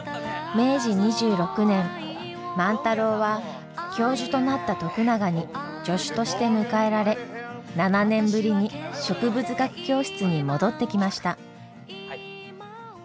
明治２６年万太郎は教授となった徳永に助手として迎えられ７年ぶりに植物学教室に戻ってきました。